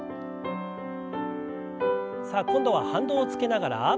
さあ今度は反動をつけながら。